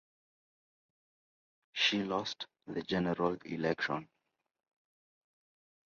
She lost the general election.